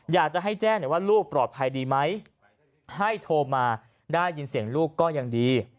อยากจะให้แจ้งหน่อยว่าลูกปลอดภัยดีไหมให้โทรมาได้ยินเสียงลูกก็ยังดี